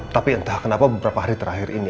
tapi entah kenapa beberapa hari terakhir ini